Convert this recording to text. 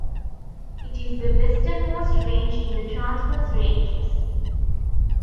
It is the westernmost range in the Transverse Ranges.